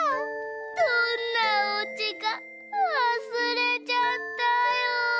「どんなおうちかわすれちゃったよ」。